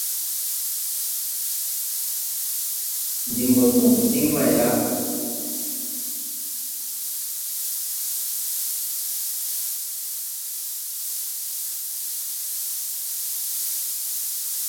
Ndi mo jɔŋ diŋ mayla ?